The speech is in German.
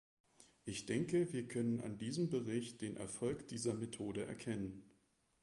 Ich denke, wir können an diesem Bericht den Erfolg dieser Methode erkennen.